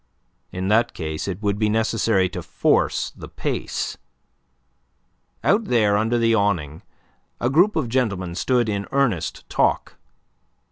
In that case it would be necessary to force the pace! Out there under the awning a group of gentlemen stood in earnest talk.